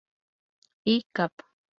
I, cap.